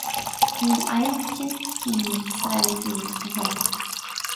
Ní adhlactar daoine sa reilig úd a thuilleadh.